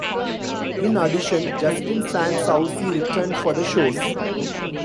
In addition, Justin San Souci returned for the shows.